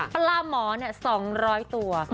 ปลาหมอ๒๐๐ตัว